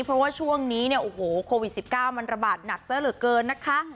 เพราะว่าช่วงนี้โควิด๑๙มันระบาดหนักเซอร์เหลือเกินนะคะ